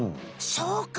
そうか。